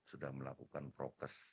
sudah melakukan prokes